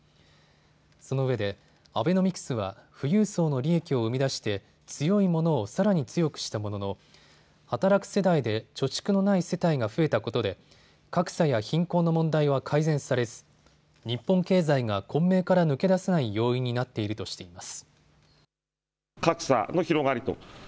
そのうえでアベノミクスは富裕層の利益を生み出して強い者をさらに強くしたものの働く世代で貯蓄のない世帯が増えたことで格差や貧困の問題は改善されず日本経済が混迷から抜け出せない要因になっているとしています。